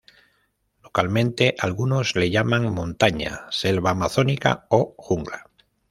Localmente algunos le llaman "montaña", selva amazónica o jungla.